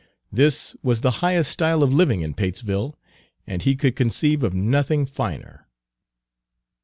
This was the highest style of living in Patesville, and he could conceive of nothing finer.